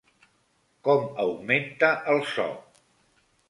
Com augmenta el so?